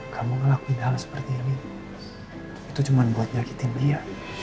kamu ngelakuin hal seperti ini itu cuma buat nyakitin dia